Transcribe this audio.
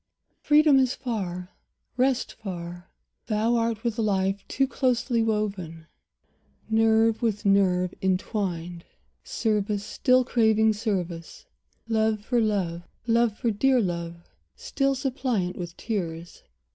Freedom is far, rest far. Thou art with life Too closely woven, nerve with nerve intwined; Service still craving service, love for love, Love for dear love, still suppliant with tears.